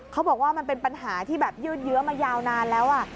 เขาบอกว่ามันเป็นปัญหาที่แบบยืดเยอะมายาวนานแล้ว